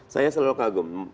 saya selalu kagum